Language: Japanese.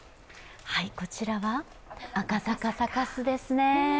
こちらは赤坂サカスですね。